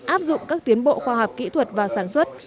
áp dụng các tiến bộ khoa học kỹ thuật và sản xuất